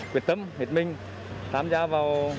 quyết tâm hệt minh tham gia vào